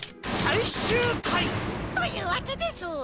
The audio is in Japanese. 最終回！というわけです。